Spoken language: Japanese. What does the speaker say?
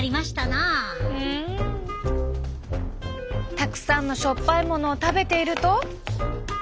たくさんのしょっぱいものを食べていると。